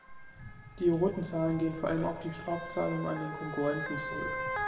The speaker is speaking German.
Die roten Zahlen gehen vor allem auf die Strafzahlungen an den Konkurrenten zurück.